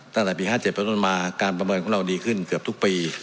ตั้งแต่ปี๕๗เป็นต้นมาการประเมินของเราดีขึ้นเกือบทุกปี